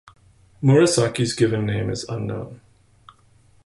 Murasaki's given name is unknown.